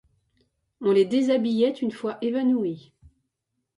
On les déshabillait une fois évanouis.